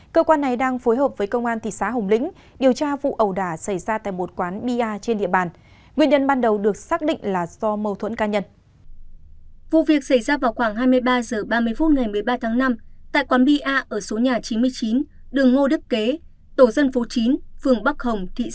cơ quan này đang phối hợp với công an thị xã hồng lĩnh điều tra vụ ẩu đả xảy ra tại một quán bia trên địa bàn